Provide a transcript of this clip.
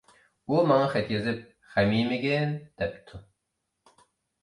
-ئۇ ماڭا خەت يېزىپ، غەم يېمىگىن، دەپتۇ!